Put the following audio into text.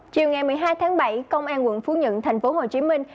chiều ngày một mươi hai tháng bảy công an quận phú nhuận thành phố hồ chí minh